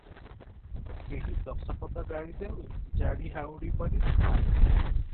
କେହି ଦଶ ପଦ ଗାଳି ଦେଉ ଜାଡ଼ି ହାଉଡ଼ି ପରି ଥାଆନ୍ତି ।